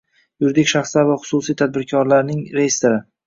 Yuridik shaxslar va xususiy tadbirkorlarning reestri